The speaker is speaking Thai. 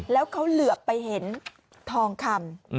แล้วเขาเหลือไปเห็นทองคำ